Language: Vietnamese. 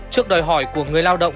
trước đòi hỏi của người lao động